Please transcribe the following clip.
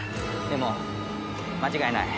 でも間違いない。